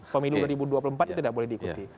pemilu dua ribu dua puluh empat itu tidak boleh diikuti